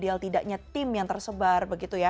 seperti apa pengguna b rani terjadi